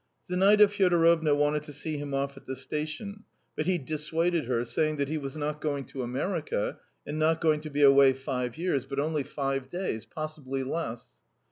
Zinaida Fyodorovna wanted to see him off at the station, but he dissuaded her, saying that he was not going to America, and not going to be away five years, but only five days possibly less.